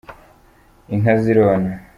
inka zirona.